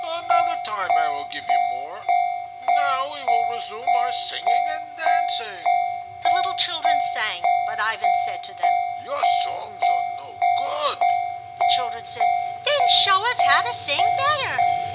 Another time I will give you more. Now we will resume our singing and dancing." The little children sang, but Ivan said to them, "Your songs are no good." The children said, "Then show us how to sing better."